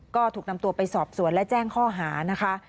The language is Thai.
ก็ถูกนำตัวไปสอบสวนและแจ้งข้อหานะคะ